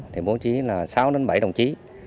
thì bố trí là sáu bảy đồng chí